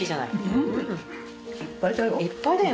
うんいっぱいだよ。